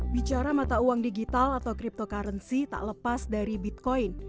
bicara mata uang digital atau cryptocurrency tak lepas dari bitcoin